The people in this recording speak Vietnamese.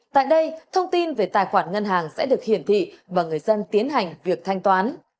tại đây thông tin về tài khoản ngân hàng sẽ được hiển thị và người dân tiến hành việc thanh toán